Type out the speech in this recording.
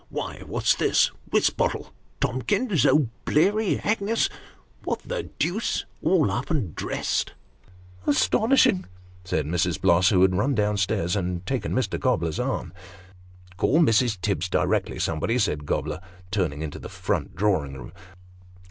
" Why, what's this ? Wisbottle ! Tomkins ! O'Bleary ! Agnes ! What the deuce ! all up and dressed ?"" Astonishing !" said Mrs. Bloss, who had run down stairs, and taken Mr. Gobler's arm. " Call Mrs. Tibbs directly, somebody," said Gobler, turning into the front drawing room.